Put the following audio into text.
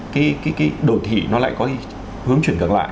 cái đổi thị nó lại có hướng chuyển gần lại